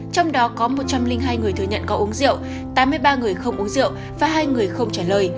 trong đó có một trăm linh hai người thừa nhận có uống rượu tám mươi ba người không uống rượu và hai người không trả lời